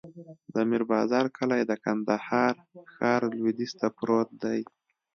د میر بازار کلی د کندهار ښار لویدیځ ته پروت دی.